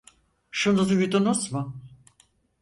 Şunu duydunuz mu?